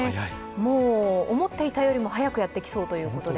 もう、思っていたよりも早くやってきそうということで。